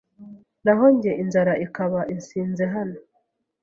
naho jye inzara ikaba insinze hano